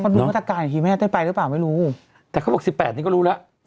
ดูมาตรการอีกทีแม่ได้ไปหรือเปล่าไม่รู้แต่เขาบอกสิบแปดนี้ก็รู้แล้ว